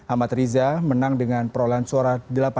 amat riza menang dengan perolahan suara delapan puluh satu